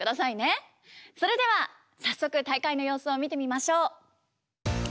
それでは早速大会の様子を見てみましょう。